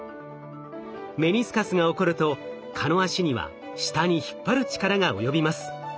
メニスカスが起こると蚊の脚には下に引っ張る力が及びます。